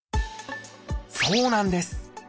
そうなんです。